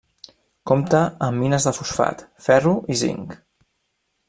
Compta amb mines de fosfat, ferro i zinc.